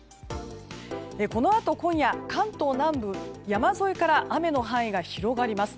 このあと今夜関東南部山沿いから雨の範囲が広がります。